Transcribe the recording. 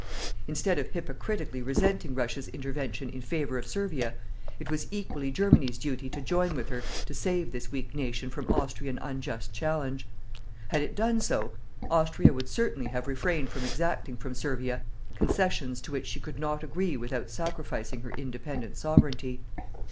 Instead of hypocritically resenting Russia's intervention in favour of Servia, it was equally Germany's duty to join with her to save this weak nation from Austrian unjust challenge. Had it done so, Austria would certainly have refrained from exacting from Servia concessions to which she could not agree without sacrificing her independent Sovereignty.